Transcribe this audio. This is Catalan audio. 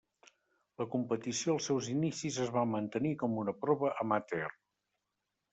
La competició als seus inicis es va mantenir com una prova amateur.